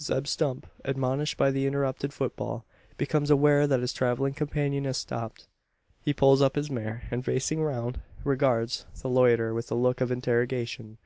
Zeb Stump, admonished by the interrupted footfall, becomes aware that his travelling companion has stopped. He pulls up his mare; and facing round, regards the loiterer with a look of interrogation.